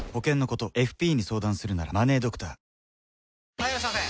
・はいいらっしゃいませ！